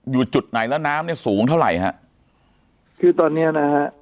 อยู่จุดไหนแล้วน้ำเนี่ยสูงเท่าไหร่ฮะคือตอนเนี้ยนะฮะ